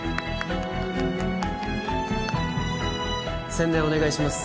宣伝お願いします